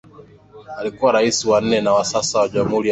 Alikuwa raisi wa nne na wa sasa wa Jamhuri ya Kenya